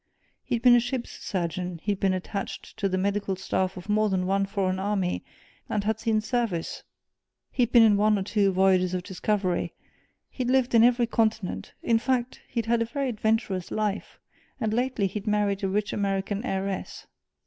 He'd been a ship's surgeon he'd been attached to the medical staff of more than one foreign army, and had seen service he'd been on one or two voyages of discovery he'd lived in every continent in fact, he'd had a very adventurous life, and lately he'd married a rich American heiress."